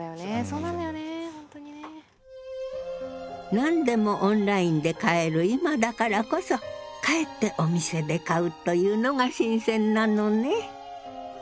何でもオンラインで買える今だからこそかえってお店で買うというのが新鮮なのね！